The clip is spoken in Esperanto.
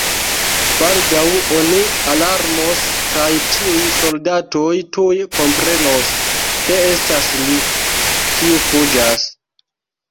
Baldaŭ oni alarmos kaj tiuj soldatoj tuj komprenos, ke estas li, kiu fuĝas.